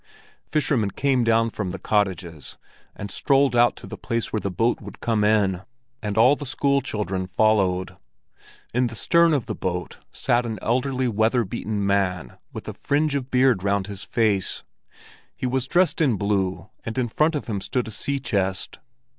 Fishermen came down from the cottages and strolled out to the place where the boat would come in, and all the school children followed. In the stern of the boat sat an elderly, weather beaten man with a fringe of beard round his face; he was dressed in blue, and in front of him stood a sea chest.